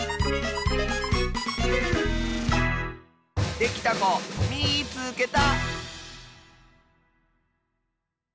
できたこみいつけた！